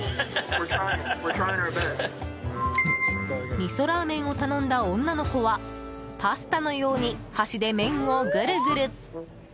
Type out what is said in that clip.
みそラーメンを頼んだ女の子はパスタのように箸で麺をぐるぐる。